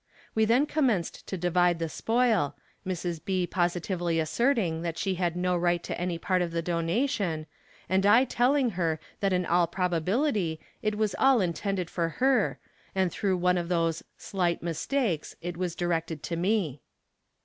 We then commenced to divide the spoil, Mrs. B. positively asserting that she had no right to any part of the donation, and I telling her that in all probability it was all intended for her, and through one of those "slight mistakes" it was directed to me.